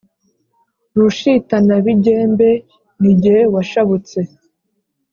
Rushitanabigembe ni jye washabutse